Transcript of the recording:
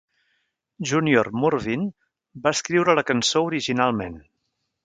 Junior Murvin va escriure la cançó originalment.